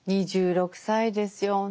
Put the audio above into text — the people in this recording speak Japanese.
２６歳ですよ。